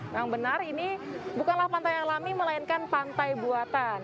yang benar ini bukanlah pantai alami melainkan pantai buatan